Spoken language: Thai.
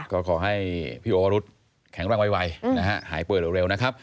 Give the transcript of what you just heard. ก็ขอให้พี่โอวะรุษแข็งร่างไวหายเป้อเร็วนะครับ